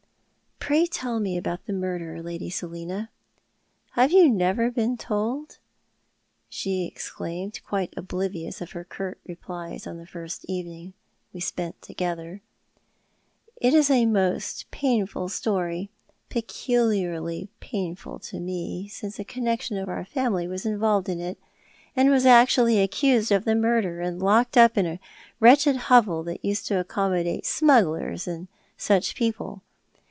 " Pray tell me about the murder, Lady Selina." " Have I never told you ?" she exclaimed, quite oblivious of her curt replies on the first evening we spent together. " It is a most painful story — peculiarly painful to me, since a con nexion of our family was involved in it, was actually accused of the murder, and locked up in the wretched hovel that used to accommodate smugglers and such people.